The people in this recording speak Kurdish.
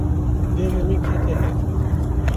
Devê min kete hev.